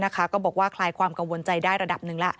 ก็บอกว่าคลายความกังวลใจได้ระดับหนึ่งแล้ว